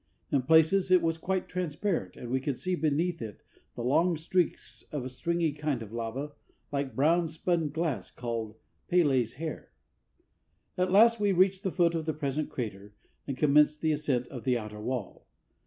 In places it was quite transparent, and we could see beneath it the long streaks of a stringy kind of lava, like brown spun glass, called "Pele's hair." At last we reached the foot of the present crater, and commenced the ascent of the outer wall.